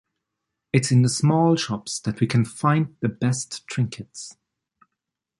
It’s in the small shops that we can find the best trinkets.